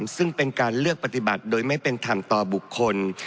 ซึ่งเป็นการเลือกปฏิบัติโดยไม่เป็นธรรมต่อบุคคล